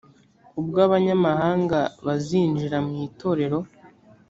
ubwo abanyamahanga bazinjira mu itorero